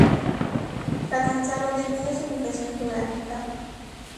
Catanzaro debido a su ubicación geográfica.